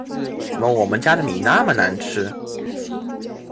怎么我们家的米那么难吃